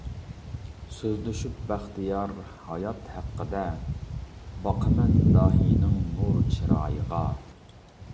سۆزلىشىپ بەختىيار ھايات ھەققىدە، باقىمەن داھىينىڭ نۇر چىرايىغا.